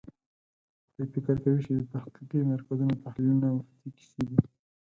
دوی فکر کوي چې د تحقیقي مرکزونو تحلیلونه مفتې کیسې دي.